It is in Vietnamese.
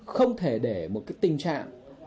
không thể để một cái tình trạng